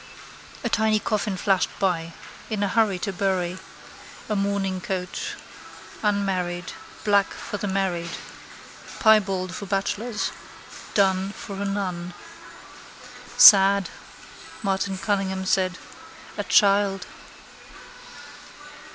A tiny coffin flashed by. In a hurry to bury. A mourning coach. Unmarried. Black for the married. Piebald for bachelors. Dun for a nun. —Sad, Martin Cunningham said. A child.